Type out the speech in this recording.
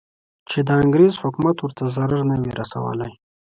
چې د انګریز حکومت ورته ضرر نه وي رسولی.